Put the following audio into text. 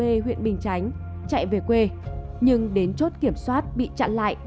quy tê huyện bình chánh chạy về quê nhưng đến chốt kiểm soát bị chặn lại